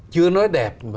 chưa nói đẹp